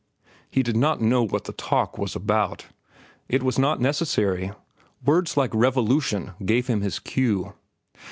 He did not know what all the talk was about. It was not necessary. Words like revolution gave him his cue.